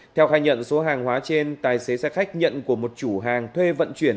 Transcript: theo khai nhận số hàng hóa trên tài xế xe khách nhận của một chủ hàng thuê vận chuyển